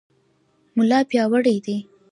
ملا پیاوړی دی.